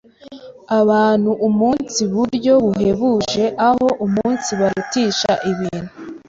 abantu umunsi buryo buhebuje aho umunsibarutisha ibintu.